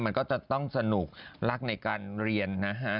มันก็จะต้องสนุกรักในการเรียนนะฮะ